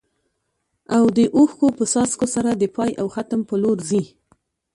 او د اوښکو په څاڅکو سره د پای او ختم په لور ځي.